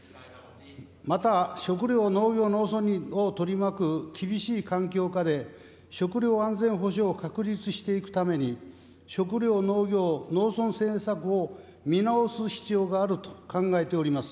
また食料農業農村を取り巻く厳しい環境下で、食料安全保障を確立していくために、食料農業農村政策を見直す必要があると考えております。